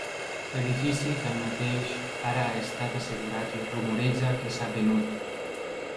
L'edifici, tanmateix, ara ha estat assegurat i es rumoreja que s'ha venut.